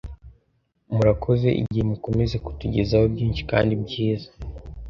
Murakoze igihe mukomeze kutugezaho byinshi kandi byiza